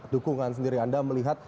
dukungan sendiri anda melihat